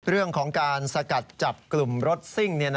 เรื่องของการสกัดจับกลุ่มรถซิ่ง